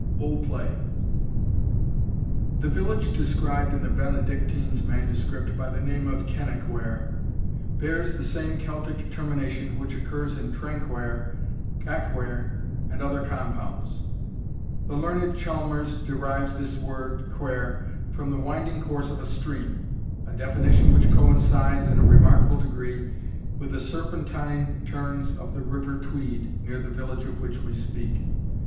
OLD PLAY. The village described in the Benedictine's manuscript by the name of Kennaquhair, bears the same Celtic termination which occurs in Traquhair, Caquhair, and other compounds. The learned Chalmers derives this word Quhair, from the winding course of a stream; a definition which coincides, in a remarkable degree, with the serpentine turns of the river Tweed near the village of which we speak.